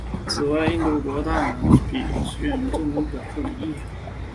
此外印度国大党普遍地对于政治上的竞争者表现出敌意。